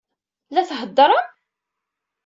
La theddṛem?